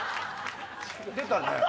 出たね。